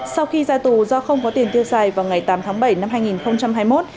sau khi ra tù do không có tiền tiêu xài vào ngày tám tháng bảy năm hai nghìn hai mươi một